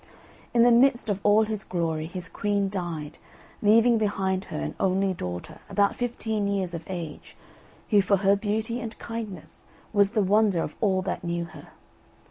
In the midst of all his glory, his queen died, leaving behind her an only daughter, about fifteen years of age, who for her beauty and kindness was the wonder of all that knew her.